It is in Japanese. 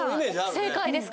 正解です